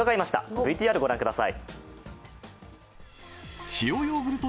ＶＴＲをご覧ください。